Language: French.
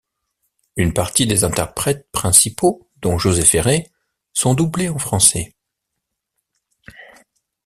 Une partie des interprètes principaux, dont José Ferrer, sont doublés en français.